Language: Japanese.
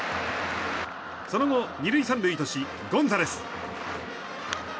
その後、２塁３塁としゴンザレス。